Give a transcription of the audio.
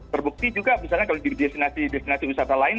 terbukti juga misalnya kalau di destinasi destinasi wisata lain